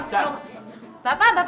bapak bapak berapa